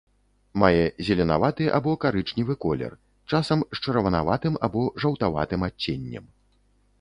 Мае зеленаваты або карычневы колер, часам з чырванаватым або жаўтаватым адценнем.